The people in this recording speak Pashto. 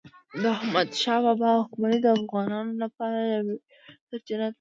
د احمدشاه بابا واکمني د افغانانو لپاره د ویاړ سرچینه ده.